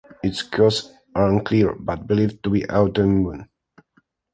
Its causes are unclear, but believed to be autoimmune.